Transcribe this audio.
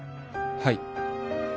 はい